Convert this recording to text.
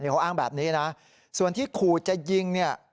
เขาอ้างแบบนี้นะส่วนที่ขู่จะยิงเนี่ย